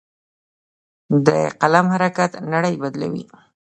د قلم حرکت نړۍ بدلوي.